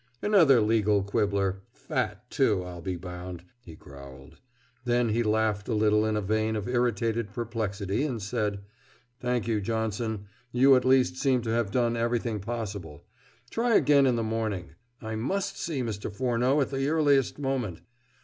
"Another legal quibbler fat, too, I'll be bound," he growled. Then he laughed a little in a vein of irritated perplexity, and said: "Thank you, Johnson. You, at least, seem to have done everything possible. Try again in the morning. I must see Mr. Furneaux at the earliest moment!